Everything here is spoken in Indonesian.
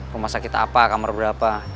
rumah sakit apa kamar berapa